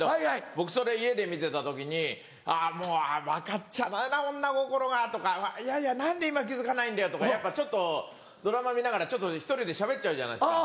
僕それ家で見てた時に「あぁもう分かっちゃいないな女心が」とか「いやいや何で今気付かないんだよ」とかやっぱドラマ見ながら１人でしゃべっちゃうじゃないですか。